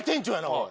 おい！